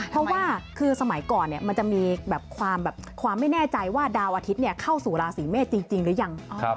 เพราะว่าคือสมัยก่อนมันจะมีความแบบความไม่แน่ใจว่าดาวอาทิตย์เข้าสู่ราศีเมษจริงหรือยัง